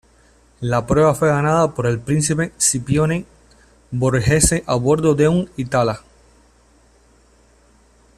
La prueba fue ganada por el príncipe Scipione Borghese a bordo de un Itala.